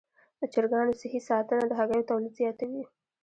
د چرګانو صحي ساتنه د هګیو تولید زیاتوي.